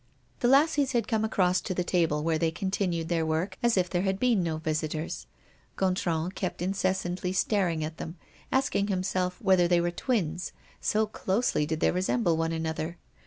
The lassies had come across to the table where they continued their work as if there had been no visitors. Gontran kept incessantly staring at them, asking himself whether they were twins, so closely did they resemble one another.